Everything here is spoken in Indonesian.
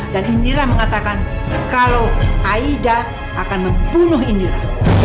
dan indira mengatakan kalau aida akan membunuh indira